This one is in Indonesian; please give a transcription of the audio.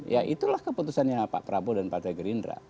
ya itulah keputusannya pak prabowo dan pak tegerindra